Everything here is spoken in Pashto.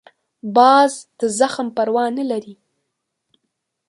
باز د زخم پروا نه لري